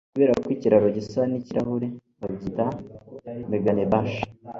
kubera ko ikiraro gisa nikirahure, babyita meganebashi